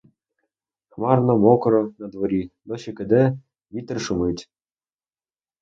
Хмарно, мокро надворі; дощик іде, вітер шумить.